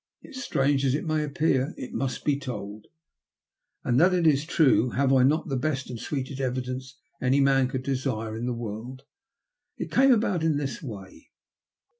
Yet, strange as it may appear, it must be told ; and that it is true, have I not the best and sweetest evidence any man could desire in the world ? It came about in this way.